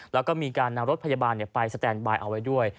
แล้วก็มีการนำรถพยาบาลไปสแตนบายเอาไว้ด้วย